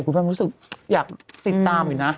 แม่รู้สึกอยากติดตามอยู่นะ